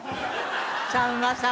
さんまさん